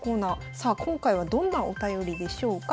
さあ今回はどんなお便りでしょうか。